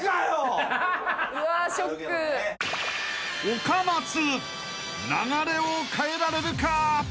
［岡松流れを変えられるか？］